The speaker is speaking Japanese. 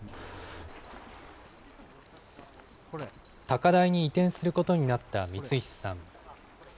高台に移転することになった三石さん。